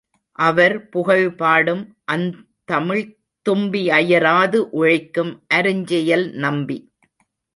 அவர் புகழ்பாடும் அந்தமிழ்த் தும்பி அயராது உழைக்கும் அருஞ்செயல் நம்பி!